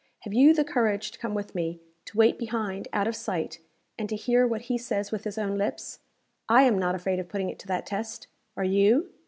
"Have you the courage to come with me; to wait behind out of sight; and to hear what he says with his own lips? I am not afraid of putting it to that test. Are you?"